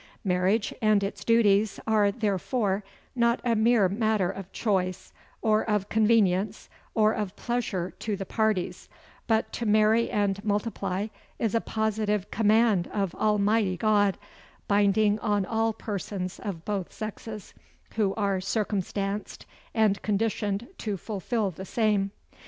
Marriage, and its duties, are therefore, not a mere matter of choice, or of convenience, or of pleasure to the parties; but to marry and multiply is a positive command of Almighty God, binding on all persons of both sexes, who are circumstanced and conditioned to fulfil the same.